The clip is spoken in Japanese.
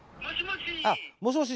もしもし？